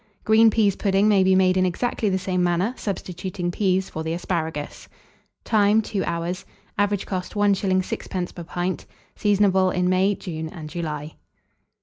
Green peas pudding may be made in exactly the same manner, substituting peas for the asparagus. Time. 2 hours. Average cost, 1s. 6d. per pint. Seasonable in May, June, and July.